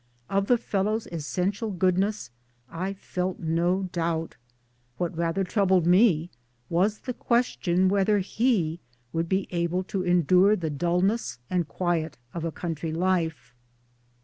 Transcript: Of the fellow's essential goodness I felt no doubt. What rather troubled me was the question whether he would be able to endure the dulness and quiet of a country life.